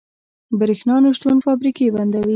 برښنا نشتون فابریکې بندوي.